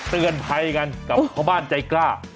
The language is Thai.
เตือนภัยกันกับชาวบ้านใจกล้า